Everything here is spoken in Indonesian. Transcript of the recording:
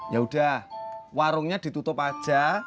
yaudah warungnya ditutup aja